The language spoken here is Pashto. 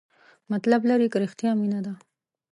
مطلب لري که رښتیا مینه ده؟